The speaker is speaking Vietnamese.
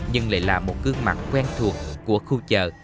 nhưng lại là một gương mặt quen thuộc của khu chợ